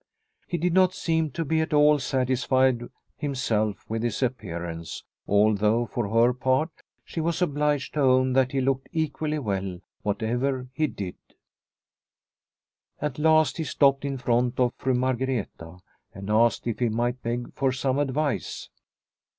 He did not seem to be at all satisfied himself with his appearance, although for her part she was obliged to own that he looked equally well whatever he did At last he stopped in front of Fru Margreta and asked if he might beg for some advice.